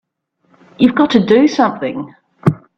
You've got to do something!